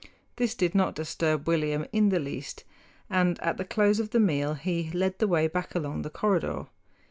This did not disturb William in the least, and at the close of the meal he led the way back along the corridor.